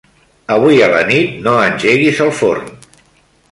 Avui a la nit no engeguis el forn.